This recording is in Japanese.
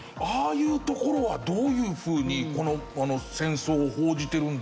ああいうところはどういうふうにこの戦争を報じてるんだろうとか。